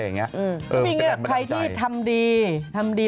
ใครที่ทำดี